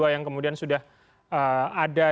yang kemudian sudah ada